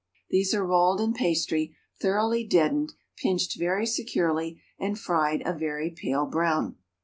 These are rolled in pastry, thoroughly deadened, pinched very securely, and fried a very pale brown.